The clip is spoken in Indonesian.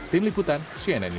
tim liputan cnn indonesia